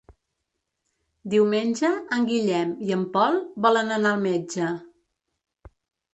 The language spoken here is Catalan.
Diumenge en Guillem i en Pol volen anar al metge.